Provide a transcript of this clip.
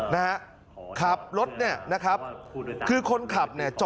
สวัสดีครับคุณผู้ชาย